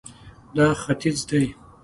دا ختیځ دی